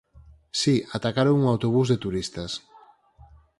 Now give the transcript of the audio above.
Si, atacaron un autobús de turistas.